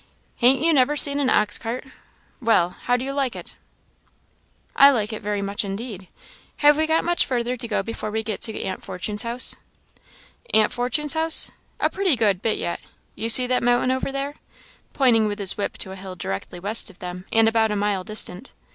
"Han't you never seen an ox cart! Well how do you like it?" "I like it very much indeed. Have we much further to go before we get to aunt Fortune's house?" " 'Aunt Fortune's house?' a pretty good bit yet. You see that mountain over there?" pointing with his whip to a hill directly west of them, and about a mile distant.